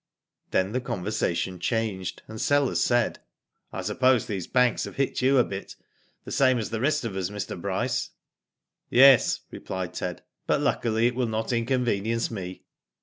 Then the conversation changed, and Sellers said :" I suppose these banks have hit you a bit, the same as the rest of us, Mr. Bryce ?" "Yes," replied Ted; "but luckily it will not in convenience me."